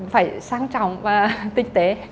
phải sang trọng và tinh tế